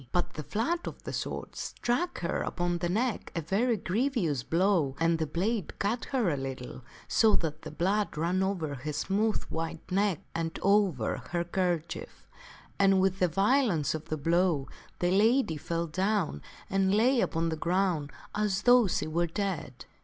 But the flat of the sword struck her wthoutintent upon the neck a ver ^ g rievous blow, and the blade cut her a little, so that the blood ran down her smooth white neck and SIK GAWAINE SMITES THE LADY 2 g 9 over her kerchief ; and with the violence of the blow the lady fell down and lay upon the ground as though she were dead.